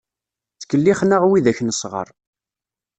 Ttkellixen-aɣ wid-ak nesɣeṛ.